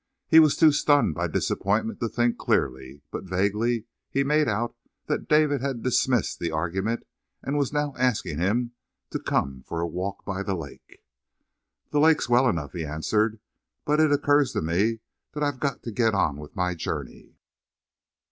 He was too stunned by disappointment to think clearly, but vaguely he made out that David had dismissed the argument and was now asking him to come for a walk by the lake. "The lake's well enough," he answered, "but it occurs to me that I've got to get on with my journey."